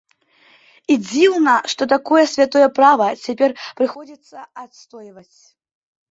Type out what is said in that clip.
І дзіўна, што такое святое права цяпер прыходзіцца адстойваць.